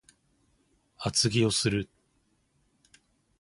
厚着をする